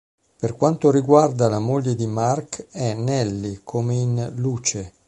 Per quanto riguarda la moglie di Mark è Nelly come in "Luce".